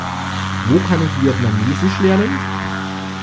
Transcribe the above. Wo kann ich Vietnamesisch lernen?